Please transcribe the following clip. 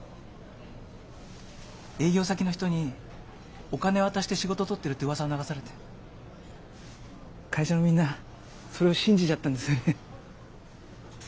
営業先の人にお金渡して仕事とってるってうわさを流されて会社のみんなそれを信じちゃったんですよね。